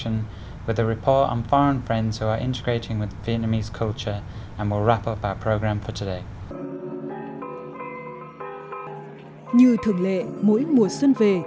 như thường lệ mỗi mùa xuân về